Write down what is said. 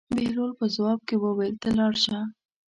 بهلول په ځواب کې وویل: ته لاړ شه.